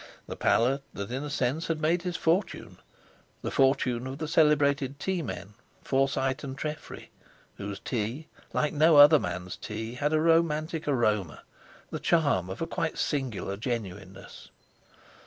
The palate that in a sense had made his fortune—the fortune of the celebrated tea men, Forsyte and Treffry, whose tea, like no other man's tea, had a romantic aroma, the charm of a quite singular genuineness.